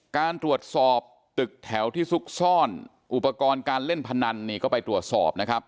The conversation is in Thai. การตรวจสอบตึกแถวที่ซุกซ่อนอุปกรณ์การเล่นพนันนี่ก็ไปตรวจสอบนะครับ